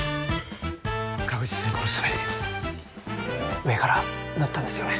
確実に殺すために上から塗ったんですよね？